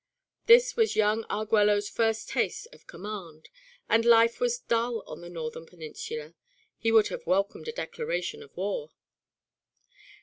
This was young Arguello's first taste of command, and life was dull on the northern peninsula; he would have welcomed a declaration of war.